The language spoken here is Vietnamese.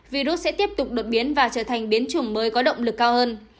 virus sẽ tiếp tục đột biến và trở thành biến chủng mới có động lực cao hơn